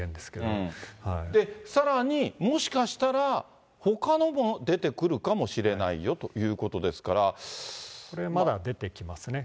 さらに、もしかしたら、ほかのも出てくるかもしれないよということですかこれ、まだ出てきますね。